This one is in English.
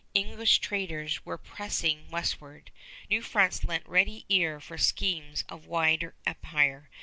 English traders were pressing westward. New France lent ready ear for schemes of wider empire.